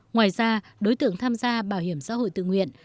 ngoài ra đối tượng tham gia bảo hiểm xã hội tự nguyện